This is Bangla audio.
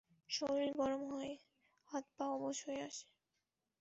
শরীর গরম হয়ে, হাত পা অবস হয়ে আসে।